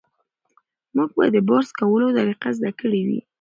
موږ به د برس کولو طریقه زده کړې وي.